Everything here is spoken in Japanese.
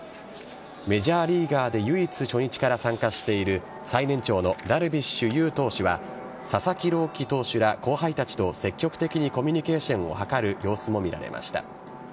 メジャーリーガーで唯一初日から参加している最年長のダルビッシュ有投手は佐々木朗希投手ら後輩たちと積極的にコミュニケーションを図る様子も見られました。